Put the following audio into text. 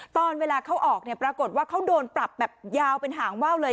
ตอนเวลาเขาออกเนี่ยปรากฏว่าเขาโดนปรับแบบยาวเป็นหางว่าวเลย